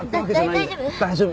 大丈夫？